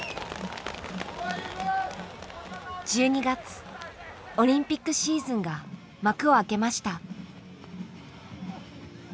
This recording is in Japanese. １２月オリンピックシーズンが幕を開けました。